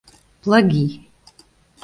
Плаги.